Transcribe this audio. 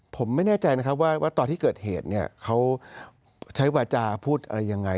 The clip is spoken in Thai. ผมไม่แน่ใจนะครับว่าตอนที่เกิดเหตุเนี่ยเขาใช้วาจาพูดอะไรยังไง